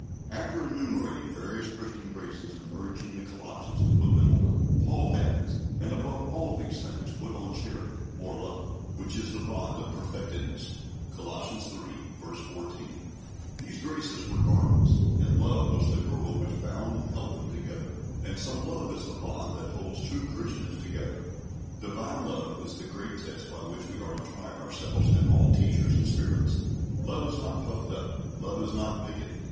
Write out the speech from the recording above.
After enumerating various Christian graces, and urging the Colossians to put them on, Paul adds: "And above all these things, put on charity," or love, "which is the bond of perfectness" (Col. iii. 14). These graces were garments, and love was the girdle which bound and held them together; and so love is the bond that holds true Christians together. Divine love is the great test by which we are to try ourselves and all teachers and spirits. Love is not puffed up. Love is not bigoted.